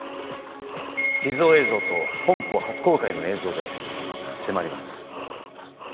秘蔵映像と本邦初映像で迫ります。